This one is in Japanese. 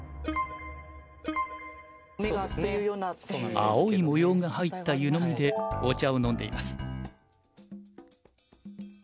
青い模様が入った湯飲みでお茶を飲んでいます。